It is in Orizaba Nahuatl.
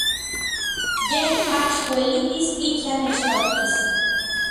Yej mach uelitis itlaj nechtoktis.